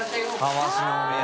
たわしのお土産。